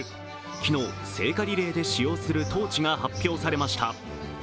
昨日、聖火リレーで使用するトーチが発表されました。